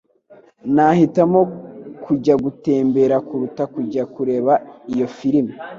Nahitamo kujya gutembera kuruta kujya kureba iyo firime.